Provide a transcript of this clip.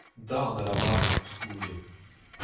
Darn a lavare koulskoude :